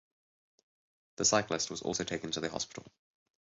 The cyclist was also taken to the hospital.